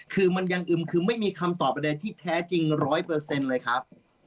คือมันยังอึมคึมไม่มีคำตอบอะไรที่แท้จริง๑๐๐เลยครับ